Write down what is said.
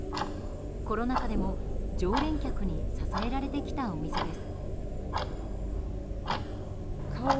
コロナ禍でも常連客に支えられてきたお店です。